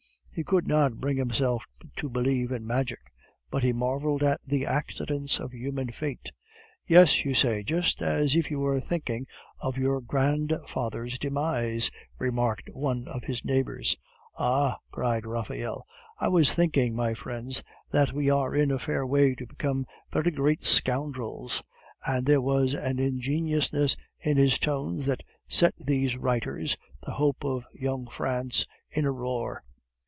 He could not bring himself to believe in magic, but he marveled at the accidents of human fate. "Yes, you say, just as if you were thinking of your grandfather's demise," remarked one of his neighbors. "Ah!" cried Raphael, "I was thinking, my friends, that we are in a fair way to become very great scoundrels," and there was an ingenuousness in his tones that set these writers, the hope of young France, in a roar.